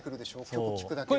曲聴くだけで。